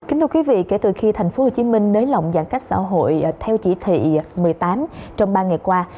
kính thưa quý vị kể từ khi tp hcm nới lỏng giãn cách xã hội theo chỉ thị một mươi tám trong ba ngày qua